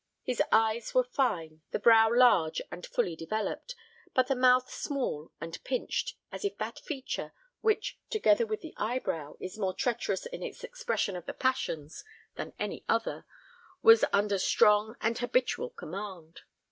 His eyes were fine, the brow large and fully developed, but the mouth small and pinched, as if that feature, which, together with the eyebrow, is more treacherous in its expression of the passions than any other, was under strong and habitual command.